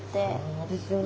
そうですよね。